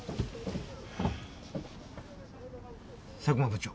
佐久間部長